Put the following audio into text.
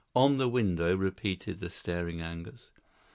"On the window?" repeated the staring Angus.